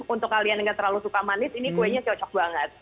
untuk kalian yang gak terlalu suka manis ini kuenya cocok banget